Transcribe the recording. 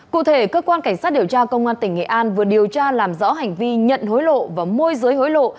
cụ thể cơ quan cảnh sát điều tra công an tỉnh nghệ an vừa điều tra làm rõ hành vi nhận hối lộ và môi giới hối lộ